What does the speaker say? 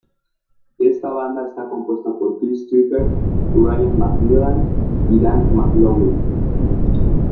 Esta banda está compuesta por Chris Trapper, Ryan MacMillan y Dan McLoughlin.